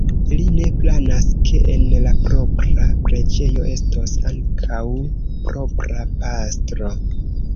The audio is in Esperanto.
Li ne planas, ke en la propra preĝejo estos ankaŭ propra pastro.